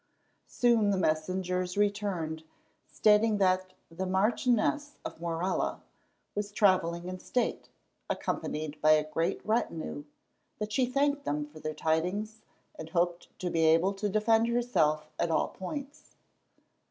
Soon the messengers returned, stating that the "Marchioness of Morella" was travelling in state, accompanied by a great retinue, that she thanked them for their tidings, and hoped to be able to defend herself at all points.